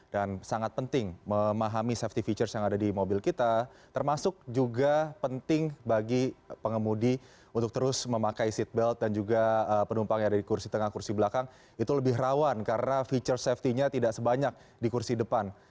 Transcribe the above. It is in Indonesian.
dan sangat penting memahami safety features yang ada di mobil kita termasuk juga penting bagi pengemudi untuk terus memakai seatbelt dan juga penumpang yang ada di kursi tengah kursi belakang itu lebih rawan karena features safety nya tidak sebanyak di kursi depan